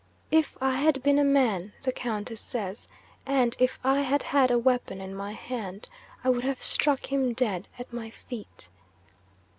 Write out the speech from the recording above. "If I had been a man," the Countess says, "and if I had had a weapon in my hand, I would have struck him dead at my feet!"